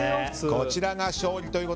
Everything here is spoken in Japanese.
こちらが勝利です。